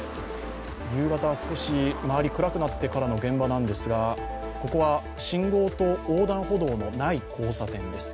夕方で少し、周り暗くなってからの現場なんですがここは信号と横断歩道のない交差点です。